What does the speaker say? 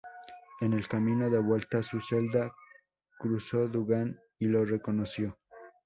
En el camino de vuelta a su celda, cruzó Dugan y lo reconoció.